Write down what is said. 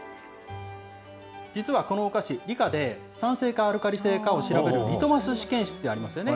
実はこのお菓子、理科で酸性かアルカリ性かを調べるリトマス試験紙ってありますよね。